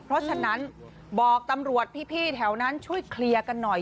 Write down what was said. เพราะฉะนั้นบอกตำรวจพี่แถวนั้นช่วยเคลียร์กันหน่อย